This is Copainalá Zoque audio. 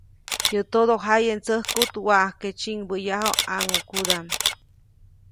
Yäʼ todojaye ndsäjkuʼt waʼajke tsyiʼŋbäyaju ʼãŋʼukudaʼm.